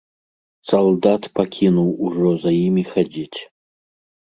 Салдат пакінуў ужо за імі хадзіць.